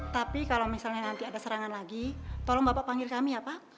tapi kalau misalnya nanti ada serangan lagi tolong bapak panggil kami ya pak